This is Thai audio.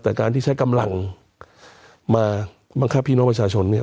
แต่การที่ใช้กำลังมาบังคับพี่น้องประชาชนเนี่ย